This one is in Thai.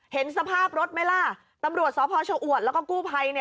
เห็นสภาพรถไหมล่ะตำรวจสพชะอวดแล้วก็กู้ภัย